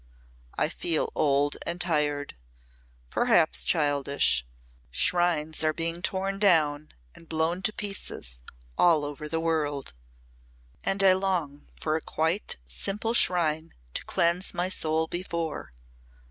I feel old and tired perhaps childish. Shrines are being torn down and blown to pieces all over the world. And I long for a quite simple shrine to cleanse my soul before.